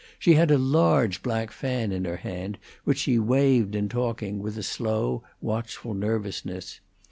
She had a large black fan in her hand, which she waved in talking, with a slow, watchful nervousness.